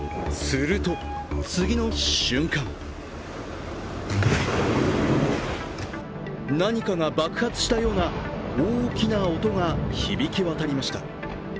すると次の瞬間、何かが爆発したような大きな音が響きわたりました。